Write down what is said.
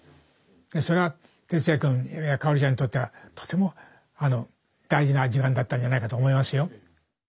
それは鉄矢君やかおりちゃんにとってはとても大事な時間だったんじゃないかと思いますよ。